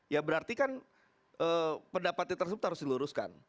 ya berarti kan pendapatnya tersebut harus diluruskan